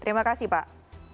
terima kasih pak